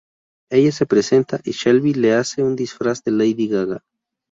Ella se presenta, y Shelby le hace un disfraz de Lady Gaga.